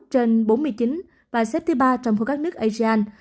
trên bốn mươi chín và xếp thứ ba trong khối các nước asean